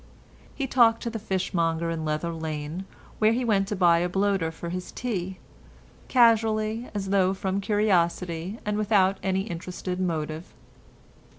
He talked to the fishmonger in Leather Lane, where he went to buy a bloater for his tea, casually as though from curiosity and without any interested motive.